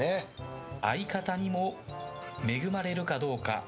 相方にも恵まれるかどうか。